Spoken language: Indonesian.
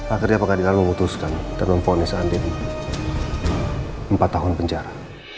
akhirnya pengadilan memutuskan dan mempunis andin empat tahun penjara